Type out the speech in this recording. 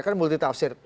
kan multi tafsir